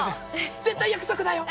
絶対約束だよ。